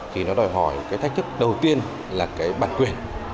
thì nó đòi hỏi cái thách thức đầu tiên là cái bản quyền